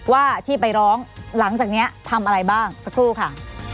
ว่าที่ไปร้องหลังจากนี้ทำอะไรบ้างสักครู่ค่ะ